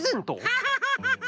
ハハハハハ！